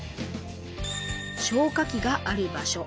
消火器がある場所。